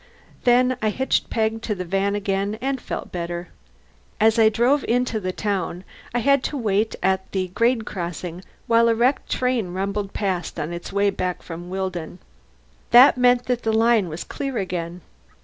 Then I hitched Peg to the van again, and felt better. As I drove into the town I had to wait at the grade crossing while a wrecking train rumbled past, on its way back from Willdon. That meant that the line was clear again.